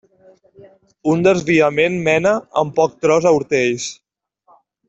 Un desviament mena en poc tros a Hortells.